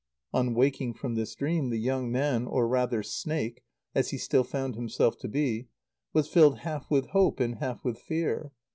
On waking from this dream, the young man, or rather snake, as he still found himself to be, was filled half with hope and half with fear.